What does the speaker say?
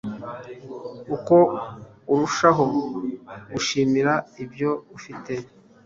uko urushaho gushimira ibyo ufite